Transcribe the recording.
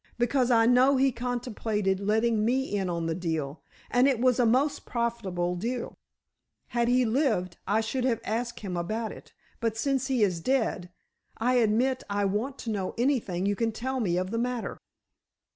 Because I know he contemplated letting me in on the deal, and it was a most profitable deal. Had he lived, I should have asked him about it, but since he is dead, I admit I want to know anything you can tell me of the matter."